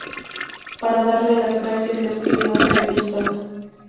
Para darle las gracias, le escribe otra epístola.